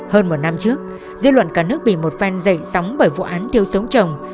hơn một năm trước dư luận cả nước bị một phen dậy sóng bởi vụ án thiêu sống chồng